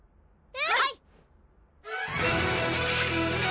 うん！